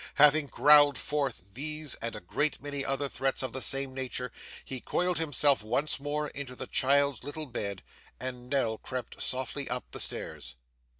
Having growled forth these, and a great many other threats of the same nature, he coiled himself once more in the child's little bed, and Nell crept softly up the stairs.